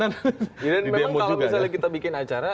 dan memang kalau misalnya kita bikin acara